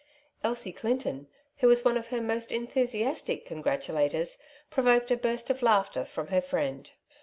Elsie Clinton, who was one of her most enthu siastic congratulators, provoked a burst of laughter from her friend.